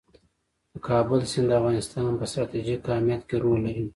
د کابل سیند د افغانستان په ستراتیژیک اهمیت کې رول لري.